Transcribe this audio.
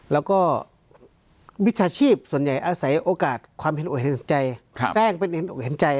แล้วก็วิชาชีพส่วนใหญ่อาศัยโอกาสความเห็นอกเห็นใจสร้างเป็นเห็นใจ